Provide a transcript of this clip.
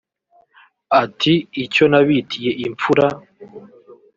Ati icyo nabitiye imfura